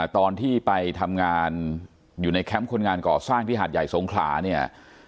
ตอนที่ไปทำงานอยู่ในแคมป์คนงานก่อสร้างที่หาดใหญ่สงขลาเนี่ย